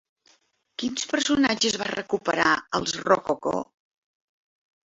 Quins personatges va recuperar els rococó?